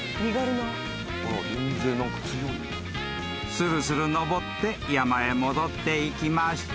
［するする登って山へ戻っていきました］